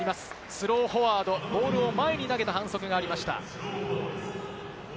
スローフォワード、ボールを前に投げた反則がありました。